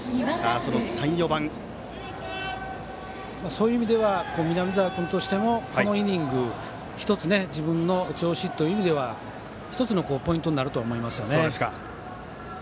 そういう意味では南澤君としても、このイニング１つ、自分の調子という意味ではポイントになると思います。